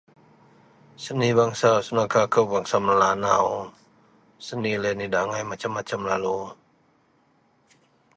Seni bangsa senuka kou bangsa melanau, seni loyen idak angai bermasem-masem lalu.